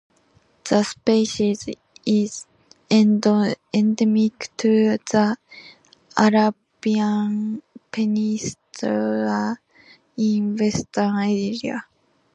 The species is endemic to the Arabian Peninsula in Western Asia.